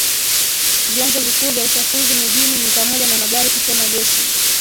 Vyanzo vikuu vya uchafuzi mijini ni pamoja na magari kuchoma gesi